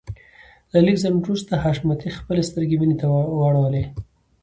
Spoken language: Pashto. له لږ ځنډ وروسته حشمتي خپلې سترګې مينې ته واړولې.